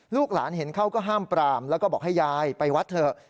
ลูกหลานเห็นเข้าก็ห้ามปรามแล้วก็บอกให้ยายไปวัดเถอะ